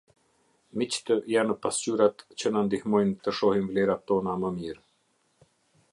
Miqtë janë pasqyrat që na ndihmojnë të shohim vlerat tona më mirë.